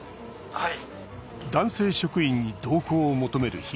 はい。